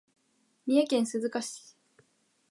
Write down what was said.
三重県鈴鹿市